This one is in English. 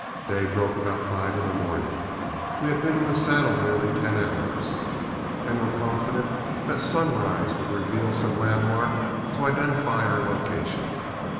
Day broke about five in the morning. We had been in the saddle nearly ten hours, and were confident that sunrise would reveal some landmark to identify our location.